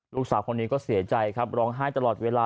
ลูกสาวคนนี้ก็เสียใจครับร้องไห้ตลอดเวลา